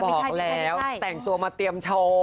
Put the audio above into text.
บอกแล้วแต่งตัวมาเตรียมโชว์